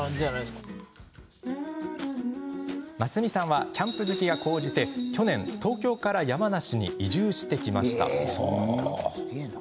真澄さんはキャンプ好きが高じて去年、東京から山梨に移住してきました。